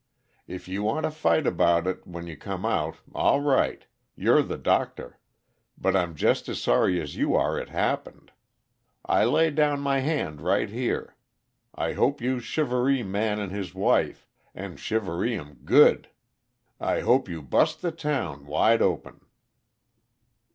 If you want to fight about it when you come out, all right; you're the doctor. But I'm just as sorry as you are it happened. I lay down my hand right here. I hope you shivaree Man and his wife and shivaree 'em good. I hope you bust the town wide open."